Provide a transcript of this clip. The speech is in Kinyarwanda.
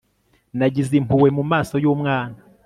nagize impuhwe mumaso yumwana